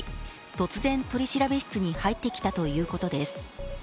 突然、取調室に入ってきたということです。